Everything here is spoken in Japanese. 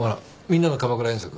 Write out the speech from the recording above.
みんなの鎌倉遠足。